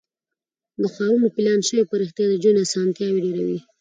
د ښارونو پلان شوې پراختیا د ژوند اسانتیاوې ډیروي.